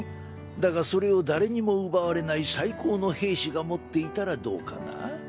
だがそれを誰にも奪われない最高の兵士が持っていたらどうかな？